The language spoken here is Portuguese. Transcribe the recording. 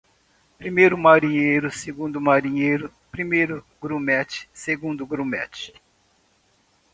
Primeiro-Marinheiro, Segundo-Marinheiro, Primeiro-Grumete, Segundo-Grumete